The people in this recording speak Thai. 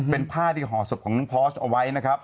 เป็นผ้าห่อศพของน้องพอร์ชเอาไว้